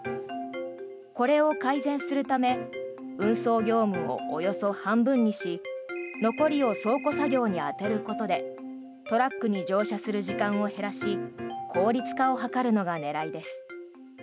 これを改善するため運送業務をおよそ半分にし残りを倉庫作業に充てることでトラックに乗車する時間を減らし効率化を図るのが狙いです。